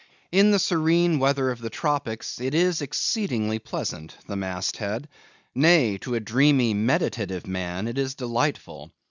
In the serene weather of the tropics it is exceedingly pleasant the mast head; nay, to a dreamy meditative man it is delightful.